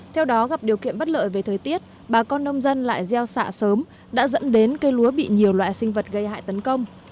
theo đó gặp điều kiện bất lợi về thời tiết bà con nông dân lại gieo xạ sớm đã dẫn đến cây lúa bị nhiều loại sinh vật gây hại tấn công